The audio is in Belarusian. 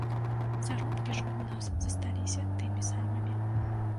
Заробкі ж у нас засталіся тымі самымі.